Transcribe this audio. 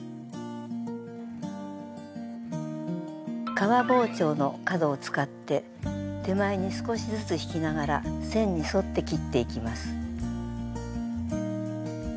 革包丁の角を使って手前に少しずつ引きながら線に沿って切っていきます。